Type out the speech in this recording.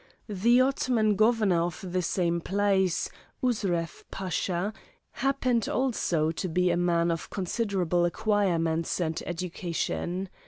The Ottoman Governor of the same place, Usref Pasha, happened also to be a man of considerable acquirements and education.